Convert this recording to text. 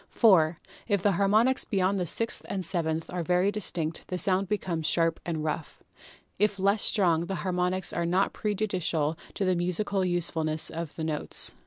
4. If the harmonics beyond the sixth and seventh are very distinct the sound becomes sharp and rough. If less strong, the harmonics are not prejudicial to the musical usefulness of the notes.